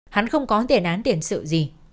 hắn không có tiền án tiền sự gì